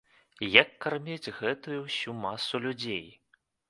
Як карміць гэтую ўсю масу людзей?